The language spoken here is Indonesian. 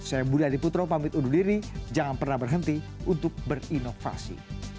saya budi adiputro pamit undur diri jangan pernah berhenti untuk berinovasi